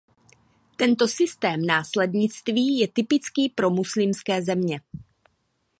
Tento systém následnictví je typický pro muslimské země.